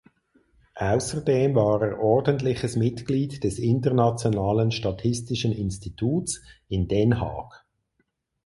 Außerdem war er ordentliches Mitglied des Internationalen Statistischen Instituts in Den Haag.